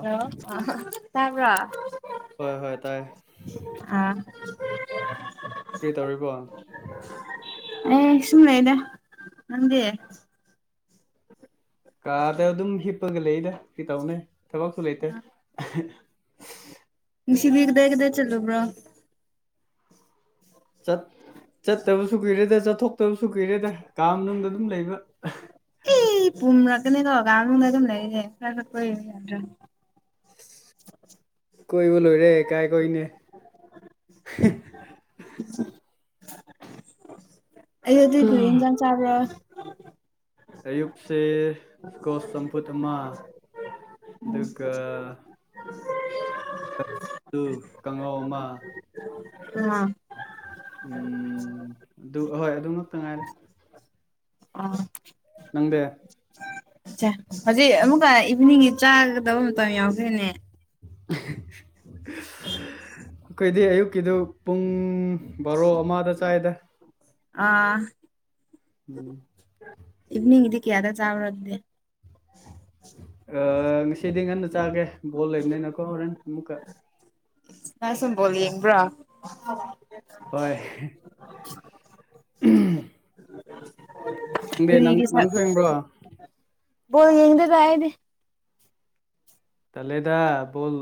[unintelligible] hello ꯇꯥꯕ꯭ꯔꯣ ꯍꯣꯏ ꯍꯣꯏ ꯇꯥꯏ ꯑꯥ ꯀꯔꯤ ꯇꯧꯔꯤꯕꯣ ꯑꯁ ꯁꯨꯝ ꯂꯩꯌꯦꯗ ꯅꯪꯗꯤ ꯀꯥꯗ ꯑꯗꯨꯝ ꯍꯤꯞꯄꯒ ꯂꯩꯗ ꯀꯩꯇꯧꯅꯤ ꯊꯕꯛꯁꯨ ꯂꯩꯇꯦ [unintelligible] ꯅꯨꯡꯁꯤꯕꯤ ꯀꯗꯥꯢ ꯀꯗꯥꯢ ꯆꯠꯂꯨꯕ꯭ꯔꯣ ꯆꯠ ꯆꯠꯇꯕꯁꯨ ꯀꯨꯢꯔꯦꯗ ꯆꯠꯊꯣꯛ ꯇꯕꯁꯨ ꯀꯨꯢꯔꯦꯗ ꯀꯥꯅꯨꯡꯗ ꯑꯗꯨꯝ ꯑꯗꯨꯝ ꯂꯩꯕ ꯑꯩ ꯄꯨꯝꯔꯛ ꯀꯅꯤꯀꯣ ꯀ ꯃꯅꯨꯡꯗ ꯑꯗꯨꯝ ꯂꯩꯔꯤꯅꯦ ꯈꯔ ꯈꯔ ꯀꯣꯢꯕ ꯌꯥꯗ꯭ꯔꯥ [unintelligible] ꯀꯣꯏꯕ ꯂꯣꯏꯔꯦ ꯀꯥꯏ ꯀꯣꯢꯅꯤ ꯑꯦꯗꯤ ꯀꯩ ꯏꯟꯖꯟ ꯆꯥꯕ꯭ꯔ ꯑꯌꯨꯛ ꯁꯦ ꯀꯣꯁ ꯆꯝꯐꯨꯠ ꯑꯃ ꯑꯗꯨꯒ [unintelligible] ꯑꯂꯨ ꯀꯥꯡꯍꯧ ꯑꯃ [unintelligible] ꯎꯝ ꯑꯗꯨ ꯍꯣꯏ ꯑꯗꯨꯃꯛꯇ ꯉꯥꯏꯔꯦ ꯑꯣ ꯅꯪꯗꯤ ꯁꯦ ꯍꯧꯖꯤꯛ ꯑꯃꯨꯛꯀ ꯏꯚꯤꯅꯤꯡꯒꯤ ꯆꯥꯒꯗꯕ ꯃꯇꯝ ꯌꯥꯎꯔꯦꯅꯦ ꯑꯩꯈꯣꯏꯗꯤ ꯑꯌꯨꯛꯀꯤꯗꯨ ꯄꯨꯡ ꯕꯔꯣ ꯑꯃꯗ ꯆꯥꯏꯗ ꯑꯥ ꯎꯝ ꯏꯕꯤꯅꯤꯡꯒꯤꯗꯤ ꯀꯌꯥꯗ ꯆꯥꯎꯕ꯭ꯔ ꯑꯗꯨꯗꯤ ꯉꯁꯤꯗꯤ ꯉꯟꯅ ꯆꯥꯒꯦ ꯕꯣꯜ ꯂꯩꯕꯅꯤꯅꯀꯣ ꯍꯣꯔꯦꯟ ꯑꯃꯨꯛꯀ ꯅꯪꯁꯨ ꯕꯣꯜ ꯌꯦꯡꯕꯔꯣ ꯍꯣꯏ ꯅꯪꯗꯤ ꯅꯪ ꯀꯔꯤꯒꯤ ꯁꯛ ꯅꯪꯁꯨ ꯌꯦꯡꯕ꯭ꯔꯣ ꯕꯣꯜ ꯌꯦꯡꯗꯦꯗ ꯑꯩꯗꯤ ꯇꯜꯂꯦꯗ ꯕꯣꯜ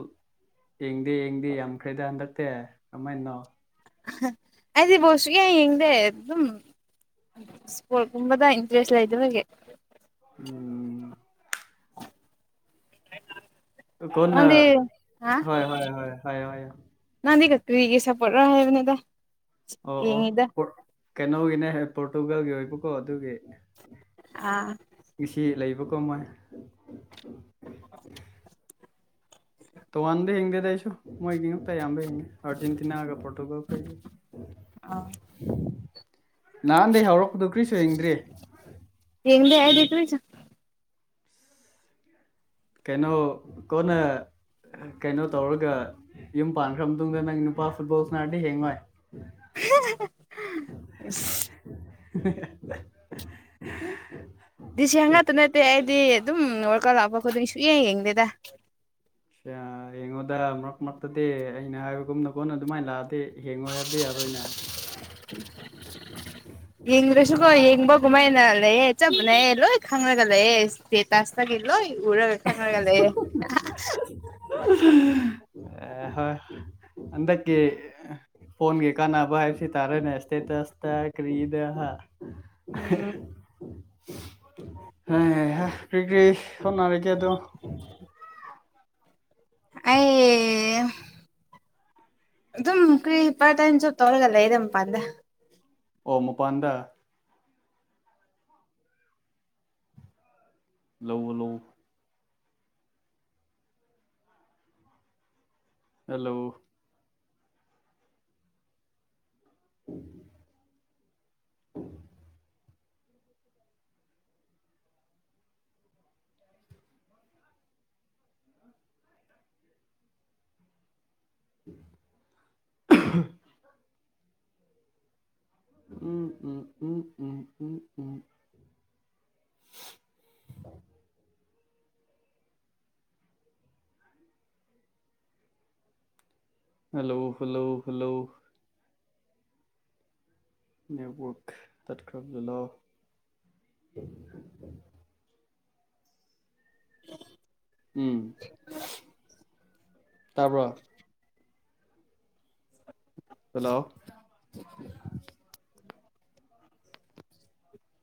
ꯌꯦꯡꯗꯦ ꯌꯦꯡꯗꯦ ꯌꯥꯝꯈ꯭ꯔꯩꯗ ꯍꯟꯗꯛꯇꯤ ꯀꯃꯥꯏꯅꯅꯣ ꯑꯩꯗꯤ ꯕꯣꯜ ꯁꯨꯛꯌꯦꯡ ꯌꯦꯡꯗꯦ ꯑꯗꯨꯝ ꯢꯁꯄ꯭ꯔꯣꯠꯒꯨꯝꯕꯗ ꯏꯟꯇ꯭ꯔꯦꯁ ꯂꯩꯇꯕꯒꯤ ꯎꯝ ꯀꯣꯟꯅ ꯍꯣꯏ ꯍꯣꯏ ꯍꯣꯏ ꯍꯣꯏ ꯍꯣꯏ ꯅꯪꯗꯤ ꯀꯔꯤꯒꯤ ꯁꯞꯄꯣꯔꯠꯔ ꯍꯥꯏꯕꯅꯤꯗ ꯑꯣ ꯑꯣ ꯌꯦꯡꯉꯤꯗ ꯀꯩꯅꯣꯒꯤꯅꯦ ꯄꯣꯔꯇꯨꯒꯜꯒꯤ ꯑꯣꯏꯕꯀꯣ ꯑꯗꯨꯒꯤꯅꯦ ꯑꯥ ꯉꯁꯤ ꯂꯩꯕ ꯀꯣꯃꯣꯏ ꯇꯣꯉꯥꯟꯅ ꯌꯦꯡꯗꯦꯗ ꯑꯩꯁꯨ ꯑꯥ [unintelligible] ꯅꯍꯥꯟꯗꯩ ꯍꯧꯔꯛꯄꯗꯨ ꯀꯔꯤꯁꯨ ꯌꯦꯡꯗ꯭ꯔꯤ ꯌꯦꯡꯗꯦ ꯑꯩꯗꯤ ꯀꯔꯤꯁꯨ ꯀꯩꯅꯣ ꯀꯣꯟꯅ ꯀꯩꯅꯣ ꯇꯧꯔꯒ ꯌꯨꯝ ꯄꯥꯟꯈ꯭ꯔ ꯃꯇꯨꯡꯗ ꯅꯪ ꯅꯨꯄꯥ ꯐꯨꯠꯕꯣꯜ ꯁꯥꯟꯅꯔꯗꯤ ꯍꯌꯦꯡ ꯋꯥꯢ [unintelligible] ꯗꯤ ꯁꯤ ꯍꯟꯗꯛꯇ ꯅꯠꯇꯦ ꯑꯩꯗꯤ ꯑꯗꯨꯝ ꯋꯥꯔꯜꯀꯞ ꯂꯥꯛꯄ ꯈꯨꯗꯤꯡ ꯁꯨꯛꯌꯦꯡ ꯌꯦꯡꯗꯦꯗ ꯌꯦꯡꯉꯨꯗ ꯃꯔꯛ ꯃꯔꯛꯇꯗꯤ ꯑꯩꯅ ꯍꯥꯏꯕꯒꯨꯝꯅ ꯀꯣꯟꯅ ꯑꯗꯨꯃꯥꯏꯅ ꯂꯥꯛꯑꯗꯤ ꯌꯦꯡꯉꯣꯏ ꯍꯥꯏꯕꯗꯤ ꯌꯥꯔꯣꯏ ꯍꯣꯏꯅꯦ ꯆꯠꯄꯅꯦ ꯂꯣꯏ ꯇꯪꯉꯒ ꯂꯩꯌꯦ ꯏꯁꯇꯦꯇꯁꯇꯒꯤ ꯎꯔꯒ ꯈꯪꯔꯒ ꯂꯩꯌꯦ [unintelligible] ꯍꯟꯗꯛꯀꯤ ꯐꯣꯟꯒꯤ ꯀꯥꯟꯅꯥꯕ ꯍꯥꯏ ꯇꯥꯔꯦꯅꯦ ꯏꯁꯇꯦꯇꯁ ꯀꯔꯤꯗ ꯍꯥ ꯎꯝ ꯍꯩꯍꯥ ꯀꯔꯤ ꯀꯔꯤ ꯍꯣꯠꯅꯕꯤ ꯑꯩ [inaudible] ꯑꯗꯨꯝ ꯀꯔꯤ ꯏꯄꯥꯠ ꯇꯥꯏꯝ ꯖꯣꯞ ꯇꯧꯔꯒ ꯂꯩꯗ ꯃꯄꯥꯟꯗ ꯑꯣ ꯃꯄꯥꯟꯗ ꯂꯧ ꯂꯧ ꯍꯜꯂꯣ [inaudible] [unintelligible] ꯎꯝ ꯎꯝ ꯎꯝ ꯎꯝ ꯎꯝ ꯎꯝ [inaudible] ꯍꯜꯂꯣ ꯍꯜꯂꯣ ꯍꯜꯂꯣ ꯅꯦꯠꯋꯔꯛ ꯇꯠꯈꯕ [inaudible] ꯎꯝ ꯇꯕꯔꯣ hello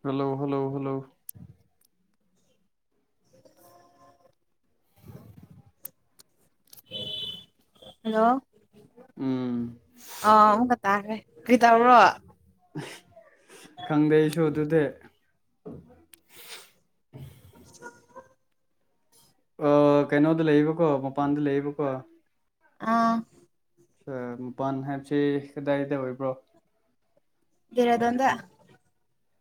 hello hello hello hello ꯎꯝ ꯑꯥ ꯑꯃꯀ ꯇꯥꯔꯦ ꯀꯔꯤ ꯇꯧꯔꯣ ꯈꯪꯗꯦ ꯑꯩꯁꯨ ꯑꯗꯨꯗꯤ [inaudible] ꯑ ꯀꯩꯅꯣꯗ ꯂꯩꯕꯀꯣ ꯃꯄꯥꯟꯗ ꯂꯩꯕꯀꯣ ꯑꯥ ꯑ ꯃꯄꯥꯟ ꯍꯥꯏꯕꯁꯤ ꯀꯗꯥꯏꯗ ꯑꯣꯏꯕ꯭ꯔꯣ ꯗꯦꯔꯥꯗꯨꯟꯗ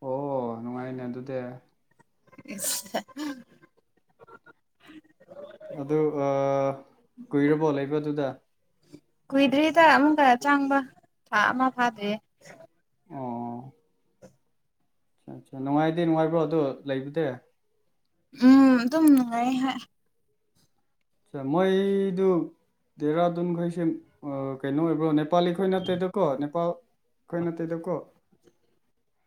ꯑꯣ ꯅꯨꯡꯉꯥꯏꯅꯦ ꯑꯗꯨꯗꯤ [unintelligible] ꯑꯗꯨ ꯀꯨꯏꯔꯕꯣ ꯂꯩꯕꯗꯨꯗ ꯀꯨꯏꯗ꯭ꯔꯤꯗ ꯑꯃꯨꯛꯀ ꯑ ꯆꯪꯕ ꯊꯥ ꯑꯃ ꯐꯥꯗ꯭ꯔꯤꯌꯦ ꯑꯣ ꯑ ꯑꯆꯥ ꯅꯨꯡꯉꯥꯏꯗꯤ ꯅꯨꯡꯉꯥꯏꯕ꯭ꯔꯣ ꯑꯗꯨ ꯂꯩꯕꯗ ꯎꯝ ꯑꯗꯨꯝ ꯅꯨꯡꯉꯥꯏ ꯍꯥꯏ ꯃꯣꯏꯗꯨ ꯗꯦꯔꯥꯗꯨꯟ ꯈꯩꯁꯦ ꯑ ꯀꯩꯅꯣ ꯑꯣꯕ꯭ꯔ ꯅꯦꯄꯥꯂꯤ ꯈꯣꯏ ꯅꯇꯦꯗꯀꯣ ꯅꯦꯄꯥ ꯑꯩꯈꯣꯏ ꯅꯇꯦꯗꯀꯣ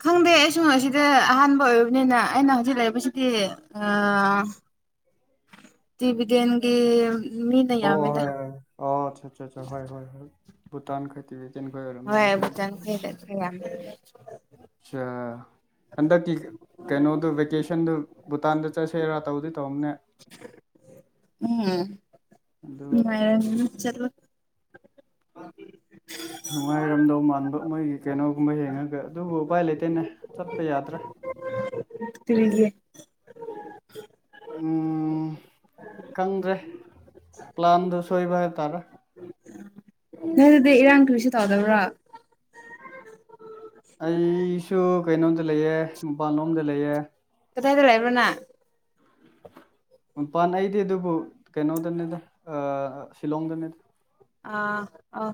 ꯈꯪꯗꯦ ꯑꯩ ꯁꯨ ꯑꯁꯤꯗ ꯑꯍꯥꯟꯕ ꯑꯣꯏꯕꯅꯤꯅ ꯑꯩꯅ ꯍꯧꯖꯤꯛ ꯂꯩꯕꯁꯤꯗꯤ [inaudible] ꯇꯤꯕꯤꯗꯦꯟꯒꯤ ꯃꯤꯅ ꯑꯣ ꯌꯥꯝꯃꯦꯗ ꯍꯣꯏ ꯍꯣꯏ ꯑꯣ ꯑꯆꯥ ꯆꯥ ꯆꯥ ꯍꯣꯏ ꯍꯣꯏ ꯍꯣꯏ ꯕꯨꯇꯥꯟ ꯈꯣꯢꯗꯤ ꯍꯣꯏ ꯕꯨꯇꯥꯟ ꯈꯣꯏꯗ ꯈꯔ ꯌꯥꯝꯃꯤ ꯑꯆꯥ ꯍꯟꯗꯛꯀꯤ ꯀꯩꯅꯣꯗꯨ ꯚꯦꯀꯦꯁꯟꯗꯨ ꯚꯨꯇꯥꯟꯗ ꯆꯠꯁꯦꯔꯥ ꯇꯧ ꯎꯝ ꯑꯗꯨ [unintelligible] ꯅꯨꯡꯉꯥꯏꯔꯝꯗꯧ ꯃꯥꯟꯕ ꯃꯣꯏꯒꯤ ꯀꯩꯅꯣꯒꯨꯝꯕ ꯌꯦꯡꯉꯒ ꯑꯗꯨꯕꯨ ꯎꯄꯥꯏ ꯂꯩꯇꯦꯅꯦ ꯆꯠꯄ ꯌꯥꯗ꯭ꯔꯦ [inaudible] ꯇ꯭ꯔꯤꯒꯤ ꯎꯝ ꯈꯪꯗ꯭ꯔꯦ ꯄ꯭ꯂꯥꯟꯗꯨ ꯁꯣꯏꯕ ꯍꯥꯏ ꯇꯥꯔꯦ ꯑꯗꯨ ꯑꯗꯨꯗꯤ ꯏꯔꯥꯡ ꯀ꯭ꯔꯤꯁꯨ ꯇꯧꯗꯕꯔꯥ ꯑꯩꯁꯨ ꯀꯩꯅꯣꯝꯗ ꯂꯩꯑꯦ ꯃꯄꯥꯟꯂꯣꯝꯗ ꯂꯩꯌꯦ ꯀꯗꯥꯏꯗ ꯂꯩꯕ꯭ꯔꯅꯪ ꯃꯄꯥꯟ ꯑꯩꯗꯤ ꯑꯗꯨꯕꯨ ꯀꯩꯅꯣꯗꯅꯤꯗ ꯁꯤꯂꯣꯡꯗꯅꯤꯗ ꯑ ꯑꯣ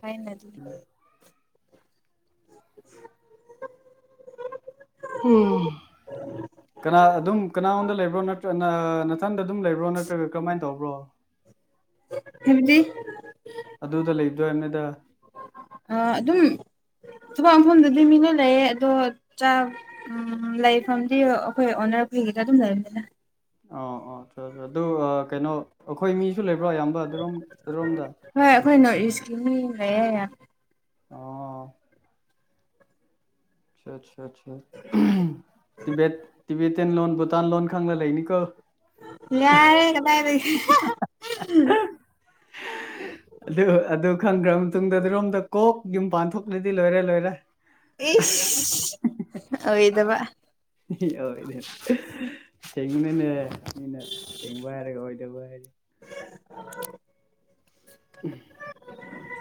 ꯐꯩꯅ [unintelligible] ꯀꯅꯥ ꯑꯗꯨꯝ ꯀꯅꯥꯑꯣꯟꯗ ꯂꯩꯕ꯭ꯔꯣ ꯅꯠꯇ ꯅꯠꯇ꯭ꯔ ꯅꯊꯟ ꯑꯗꯨꯝ ꯂꯩꯕ꯭ꯕꯔꯣ ꯅꯠꯇ꯭ꯔꯒ ꯀ꯭ꯔꯃꯥꯏꯟ ꯇꯧꯕ꯭ꯔꯣ ꯍꯥꯏꯕꯗꯤ ꯑꯗꯨꯗ ꯂꯩꯗꯣ ꯑ ꯑꯗꯨꯝ ꯊꯨꯄꯥ ꯃꯐꯝꯗꯨꯗꯤ ꯂꯩꯌꯦ ꯑꯗꯣ ꯆꯥ ꯂꯩꯐꯝꯗꯤ ꯑꯩꯈꯣꯏ ꯑꯣꯅꯔ ꯄꯤ ꯗꯨꯗ ꯗꯨꯝ ꯂꯩꯔꯝꯅꯤꯗ ꯑꯣ ꯑꯣ ꯑꯗꯨ ꯀꯩꯅꯣ ꯑꯈꯣꯏ ꯃꯤ ꯁꯨ ꯂꯩꯕ꯭ꯔꯣ ꯑꯌꯥꯝꯕ ꯑꯗꯨꯔꯣꯝꯗ ꯍꯣꯏ ꯑꯩꯈꯣꯏ ꯅꯣꯔꯠ ꯏꯁꯀꯤ ꯃꯤ ꯂꯩꯌꯦ ꯌꯥꯝ ꯑꯣ ꯑꯆꯥ ꯑꯆꯥ ꯑꯆꯥ ꯇꯤꯕꯦꯠ ꯇꯤꯚꯦ ꯇꯦꯟ ꯂꯣꯟ ꯚꯨꯇꯥꯟ ꯂꯣꯟ ꯈꯪꯂ ꯂꯩꯅꯤꯀꯣ ꯌꯥꯔꯦ ꯀꯗꯥꯥꯏꯗꯒꯤ ꯑꯗꯨ ꯑꯗꯨ ꯈꯪꯈ꯭ꯔ ꯃꯇꯨꯡꯗ ꯑꯗꯨꯔꯣꯝꯗ ꯀꯣꯛ ꯌꯨꯝ ꯄꯥꯟ ꯊꯣꯛꯣꯛꯂꯗꯤ ꯂꯣꯏꯔꯦ ꯂꯣꯏꯔꯦ ꯏꯁ ꯑꯣꯏꯔꯣꯢꯗꯕ [unintelligible] ꯀꯩꯒꯤꯅꯣꯅꯦ ꯃꯤꯅ ꯁꯦꯡꯕ ꯍꯥꯏꯔ ꯑꯣꯏꯗꯕ ꯍꯥꯏꯔꯦ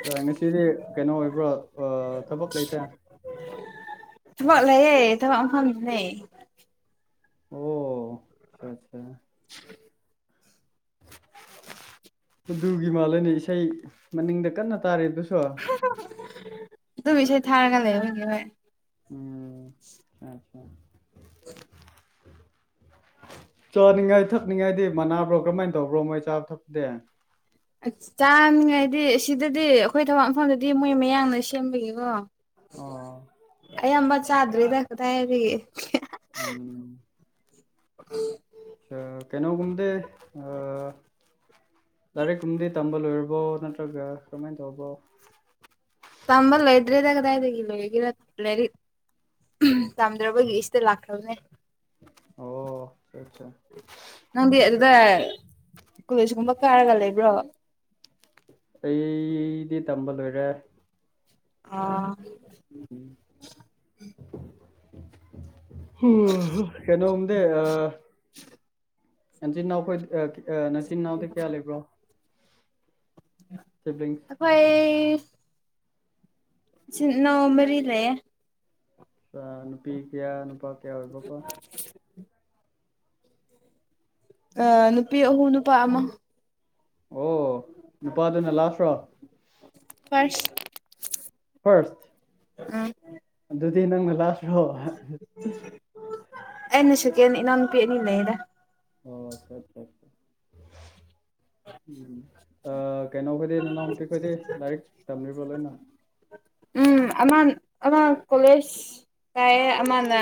ꯎꯝ ꯉꯁꯤꯗꯤ ꯀꯩꯅꯣ ꯑꯣꯏꯕ꯭ꯔꯣ ꯊꯕꯛ ꯂꯩꯇꯦ ꯊꯕꯛ ꯂꯩꯌꯦ ꯊꯕꯛ ꯃꯐꯝꯗꯅꯦ ꯑꯣ ꯑꯆꯥ ꯑꯆꯥ ꯑꯗꯨꯒꯤ ꯃꯥꯜꯂꯅꯦ ꯏꯁꯩ ꯃꯅꯤꯡꯗ ꯀꯟꯅ ꯇꯥꯔꯦ ꯗꯨꯁꯨ ꯑꯗꯨꯝ ꯏꯁꯩ ꯊꯥꯔꯒ ꯂꯩꯕꯒꯤ ꯍꯣꯢ ꯎꯝ ꯆꯥ-ꯆꯥ [inaudible] [inaudible] ꯆꯥꯅꯤꯡꯉꯥꯏ ꯊꯛꯅꯤꯡꯉꯥꯏꯗꯤ ꯃꯅꯥꯕ꯭ꯔꯣ ꯀꯔꯝꯍꯥꯏꯅ ꯇꯧꯕ꯭ꯔꯣ ꯃꯣꯏ ꯆꯥꯕ ꯊꯛꯄꯗꯤ ꯆꯥꯅꯤꯡꯉꯥꯏꯗꯤ ꯁꯤꯗꯗꯤ ꯑꯈꯣꯏ ꯊꯕꯛ ꯃꯐꯝꯗꯗꯤ ꯃꯣꯏ ꯃꯌꯥꯡꯅ ꯁꯦꯝꯕꯒꯤꯀꯣ ꯑꯣ ꯑꯌꯥꯝꯕ ꯆꯥꯗ꯭ꯔꯔꯤꯗ ꯀꯗꯥꯢꯗꯒꯤ [inaudible] ꯑꯥ ꯀꯩꯅꯣ ꯒꯨꯝꯗꯤ ꯑꯥ ꯂꯥꯏꯔꯤꯛ ꯀꯨꯝꯕꯗꯤ ꯇꯝꯕ ꯂꯣꯏꯔꯕꯣ ꯅꯠꯇ꯭ꯔꯒ ꯀꯃꯥꯏ ꯇꯧꯕ꯭ꯔꯣ ꯇꯝꯕ ꯂꯣꯏꯗ꯭ꯔꯤꯗ ꯀꯗꯥꯏꯗꯒꯤ ꯂꯣꯏꯒꯦꯔ ꯂꯥꯏꯔꯤꯛ ꯑꯍꯝ ꯇꯝꯗ꯭ꯔꯕꯒꯤ ꯑꯁꯤꯗ ꯂꯥꯛꯈ꯭ꯔꯕꯅꯦ ꯑꯣ ꯑꯠꯁꯥ ꯅꯪꯗꯤ ꯑꯗꯨꯗ ꯀꯣꯂꯦꯖꯀꯨꯝꯕ ꯀꯥꯔꯒ ꯂꯩꯕ꯭ꯔꯣ ꯑꯩꯗꯤ ꯇꯝꯕ ꯂꯣꯏꯔꯦ ꯑꯥ ꯎꯝ ꯎꯝ ꯀꯦꯅꯣꯝꯗꯤ ꯑꯥ ꯅꯆꯤꯟꯅꯥꯎ ꯈꯣꯏ ꯅꯆꯤꯟꯅꯥꯎꯗꯤ ꯀꯌꯥ ꯂꯩꯕ꯭ꯔꯣ ꯁꯤꯕ꯭ꯂꯤꯡꯁ ꯑꯩꯈꯣꯏ ꯏꯆꯤꯟ ꯏꯅꯥꯎ ꯃꯔꯤ ꯂꯩꯌꯦ ꯑꯥ ꯅꯨꯄꯤ ꯀꯌꯥ ꯅꯨꯄꯥ ꯀꯌꯥ ꯑꯣꯏꯕ꯭ꯔꯣꯀꯣ [inaudible] [inaudible] ꯑꯥ ꯅꯨꯄꯤ ꯑꯍꯨꯝ ꯅꯨꯄꯥ ꯑꯃ ꯑꯣ ꯅꯨꯄꯥꯗꯨꯅ ꯂꯥꯁꯔꯣ ꯐꯥꯔꯁ ꯎꯝ ꯗꯨꯗꯤ ꯅꯪꯅ ꯂꯥꯁꯔꯣ ꯑꯩꯅ ꯁꯦꯀꯦꯟꯅꯤ ꯏꯅꯥꯎꯅꯨꯄꯤ ꯑꯅꯤ ꯂꯩꯌꯦꯗꯥ ꯑꯣ ꯑꯠꯁꯥ ꯎꯝ ꯑꯥ ꯀꯩꯅꯣꯈꯣꯏꯗꯤ ꯅꯅꯥꯎꯨꯄꯤ ꯈꯣꯏꯗꯤ ꯂꯥꯏꯔꯤꯛ ꯇꯝꯂꯤꯕ꯭ꯔꯣ ꯂꯣꯏꯅ ꯎꯝ ꯑꯃ ꯑꯃ ꯀꯣꯂꯦꯖ ꯀꯥꯏꯌꯦ ꯑꯃꯅ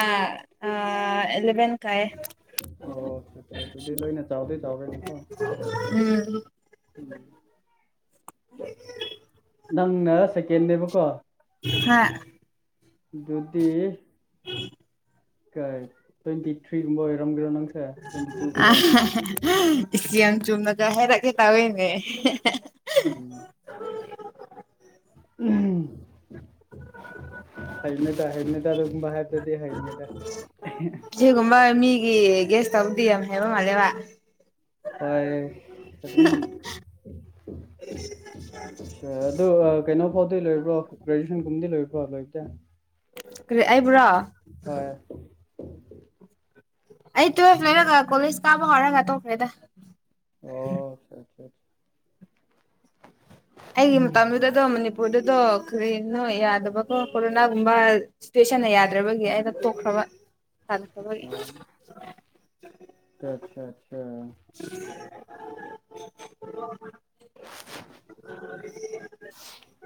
ꯑꯥ ꯑꯦꯂꯦꯚꯦꯟ ꯑꯣ ꯑꯗꯨꯗꯤ ꯂꯣꯏꯅ ꯆꯥꯎꯗꯤ ꯆꯥꯎꯔꯦꯅꯦꯀꯣ ꯎꯝ [inaudible] [inaudible] ꯅꯪꯅ ꯁꯦꯀꯦꯟꯅꯦꯕꯀꯣ ꯍꯥ ꯑꯗꯨꯗꯤ [inaudible] ꯀꯩ ꯇ꯭ꯋꯦꯟꯇꯤ ꯊ꯭ꯔꯤ ꯒꯨꯝꯕ ꯑꯣꯏꯔꯝꯒꯦꯔꯣ ꯅꯪ ꯑꯍꯥ ꯍꯦ ꯏꯁ ꯌꯥꯝ ꯆꯨꯝꯅꯒ ꯍꯥꯏꯔꯛꯀꯦ ꯇꯧꯌꯧꯅꯦ ꯍꯦ ꯍꯦ ꯎꯝ ꯎꯝ ꯍꯩꯅꯦꯗ ꯍꯩꯅꯦꯗ ꯑꯗꯨꯒꯨꯝꯕ ꯍꯥꯏꯕ ꯑꯗꯨꯗꯤ ꯍꯥꯏꯅꯤꯗ ꯁꯣꯝꯗꯤ ꯌꯥꯝ ꯍꯩꯕ ꯃꯥꯜꯂꯦꯕ ꯍꯣꯏ ꯑꯗꯨꯝ [inaudible] ꯑꯠꯁꯥ ꯑꯗꯨ ꯀꯩꯅꯣ ꯐꯥꯎꯗꯤ ꯂꯣꯏꯕ꯭ꯔꯣ ꯒ꯭ꯔꯦꯖꯨꯌꯦꯁꯟꯒꯨꯝꯕꯗꯤ ꯂꯣꯏꯕ꯭ꯔꯣ ꯂꯣꯏꯗꯦ ꯀꯔꯤ ꯑꯩꯕꯨꯔꯣ ꯑꯩ ꯇꯨ꯭ꯋꯦꯜꯐ ꯂꯣꯏꯔꯒ ꯀꯣꯂꯦꯖ ꯀꯥꯕ ꯍꯧꯔꯒ ꯇꯣꯛꯈ꯭ꯔꯦꯗ ꯑꯣ ꯑꯠꯆꯥ ꯑꯠꯆꯥ ꯑꯠꯆꯥ ꯑꯩꯒꯤ ꯃꯇꯝꯗꯨꯗ ꯗꯨꯝ ꯃꯅꯤꯄꯨꯔ ꯑꯗꯨꯗꯣ ꯀꯔꯤꯅꯣ ꯌꯥꯗꯕꯀꯣ ꯀꯣꯔꯣꯅꯥꯒꯨꯝꯕ ꯁꯤꯆ꯭ꯋꯦꯁꯟꯅ ꯌꯥꯗ꯭ꯔꯕꯒꯤ ꯑꯩꯅ ꯇꯣꯛꯈ꯭ꯔꯕ ꯑꯠꯆꯥ ꯑꯠꯆꯥ [unintelligible] [unintelligible]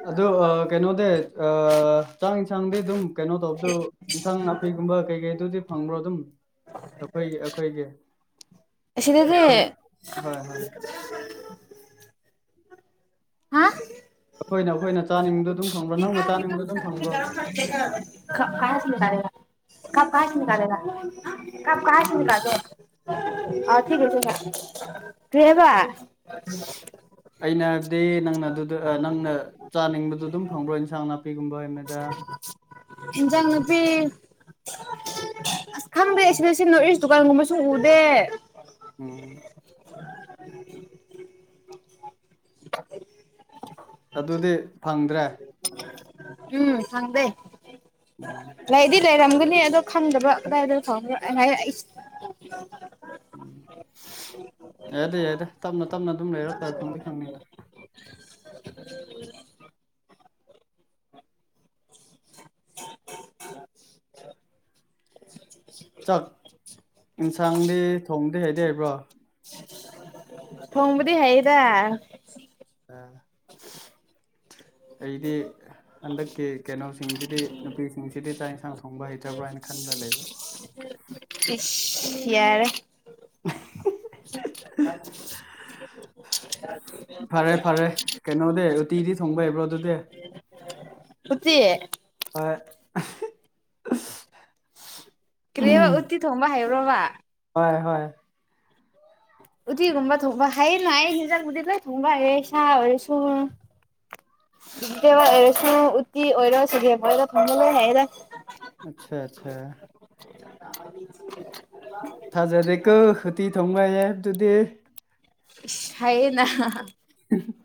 ꯑꯗꯣ ꯑ ꯀꯩꯅꯣꯗ ꯑ ꯏꯟꯁꯥꯡꯗꯤ ꯑꯗꯨꯝ ꯀꯩꯅꯣ ꯇꯧꯗꯣ ꯏꯟꯁꯥꯡ ꯅꯥꯄꯤꯒꯨꯝꯕ ꯀꯩꯀꯩꯗꯨꯗꯤ ꯐꯪꯕ꯭ꯔꯣ ꯑꯗꯨꯝ ꯑꯈꯣꯏꯒꯤ ꯑꯈꯣꯏꯒꯤ ꯑꯁꯤꯗꯒꯤ ꯍꯥ ꯑꯩꯈꯣꯏꯅ ꯑꯩꯈꯣꯏꯅ ꯆꯥꯅꯤꯡꯕꯗꯣ ꯑꯗꯨꯝ ꯐꯪꯕ꯭ꯔꯣ ꯅꯪꯅ ꯆꯥꯅꯤꯡꯕꯗꯣ ꯑꯗꯨꯝ ꯐꯪꯕ꯭ꯔꯣ [unintelligible] [unintelligible] ꯀꯔꯤ ꯍꯥꯢꯕ ꯗꯤ ꯅꯪꯅ ꯑꯗꯨꯗ ꯅꯪꯅ ꯆꯥꯅꯤꯡꯕꯗꯨ ꯑꯗꯨꯝ ꯐꯪꯕ꯭ꯔꯣ ꯏꯟꯁꯥꯡ ꯅꯥꯄꯤꯒꯨꯝꯕ ꯍꯥꯢꯕꯅꯦꯗ ꯏꯟꯖꯥꯡ ꯅꯄꯤ ꯑꯁ ꯈꯪꯗꯦ ꯁꯤꯗ ꯅꯣꯠ ꯢꯁ ꯗꯨꯀꯥꯟꯒꯨꯝꯕꯁꯨ ꯎꯗꯦ ꯎꯝ ꯑꯗꯨꯗꯤ ꯐꯪꯗ꯭ꯔꯦ ꯎꯝ ꯐꯪꯗꯦ ꯎꯝ ꯂꯩꯔꯝꯒꯅꯤ ꯑꯗꯣ ꯈꯪꯗꯕ ꯀꯗꯥꯏꯗ ꯐꯪꯕꯔꯥ [unintelligible] ꯌꯥꯗꯦ ꯌꯥꯗꯦ ꯇꯞꯅ ꯇꯞꯅ ꯑꯗꯨꯝ ꯂꯩꯔꯛꯄ ꯐꯪꯗꯤ ꯐꯪꯅꯤꯗ ꯆꯥꯛ ꯌꯦꯟꯁꯥꯡꯗꯤ ꯊꯣꯡꯗꯤ ꯍꯩꯗꯤ ꯍꯥꯏꯕ꯭ꯔꯥ ꯇꯣꯡꯕꯗꯤ ꯍꯩꯗ [unintelligible] ꯑꯩꯗꯤ ꯍꯟꯗꯛꯀꯤ ꯀꯩꯅꯣꯁꯤꯡꯁꯤꯗꯤ ꯅꯨꯄꯤꯁꯤꯡꯁꯤꯗꯤ ꯆꯥꯛ ꯢꯟꯁꯥꯡ ꯍꯤꯟꯁꯥꯡ ꯊꯣꯡꯕ ꯍꯩꯇꯕ꯭ꯔꯥ ꯍꯥꯏꯅ ꯈꯟꯕ ꯂꯩꯕ ꯢꯁ ꯌꯥꯔꯦ [unintelligible] ꯐꯔꯦ ꯐꯔꯦ ꯀꯩꯅꯣꯗꯤ ꯎꯇꯤꯗꯤ ꯊꯣꯡꯕ ꯍꯩꯕ꯭ꯔꯣ ꯑꯗꯨꯗꯤ ꯎꯇꯤ ꯍꯣꯏ ꯀꯔꯤꯕ ꯎꯠꯇꯤ ꯊꯣꯡꯕ ꯍꯩꯕ꯭ꯔꯥꯕ ꯍꯣꯏ ꯍꯣꯏ ꯎꯠꯇꯤ ꯀꯨꯝꯕ ꯊꯣꯡꯕ ꯈꯥꯏꯌꯦꯅ ꯑꯩ ꯢꯟꯖꯥꯛꯕꯨꯗꯤ ꯂꯣꯢ ꯊꯣꯡꯕꯥ ꯍꯩꯌꯦꯅ ꯁꯥ ꯑꯣꯏꯔꯁꯨ ꯗꯋꯥ ꯑꯣꯏꯔꯁꯨ ꯎꯠꯇꯤ ꯑꯣꯏꯔꯣ ꯁꯤꯒꯦꯝ ꯑꯣꯏꯔꯣ ꯊꯣꯡꯕ ꯂꯣꯢ ꯍꯩꯌꯦꯗ ꯑꯆꯥ ꯑꯆꯥ [unintelligible] ꯊꯥꯖꯗꯦꯀꯣ ꯎꯠꯇꯤ ꯊꯣꯡꯕ ꯍꯩꯌꯦ ꯍꯥꯏꯕꯗꯨꯗꯤ ꯢꯁ ꯍꯩꯌꯦꯅ ꯎꯝ